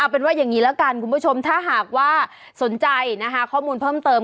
เป็นว่าอย่างนี้แล้วกันคุณผู้ชมถ้าหากว่าสนใจข้อมูลเพิ่มเติม